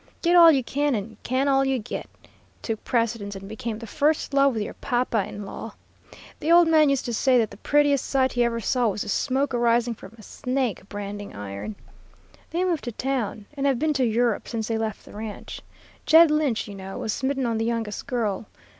Get all you can and can all you get, took precedence and became the first law with your papa in law. The old man used to say that the prettiest sight he ever saw was the smoke arising from a 'Snake' branding iron. They moved to town, and have been to Europe since they left the ranch. Jed Lynch, you know, was smitten on the youngest girl.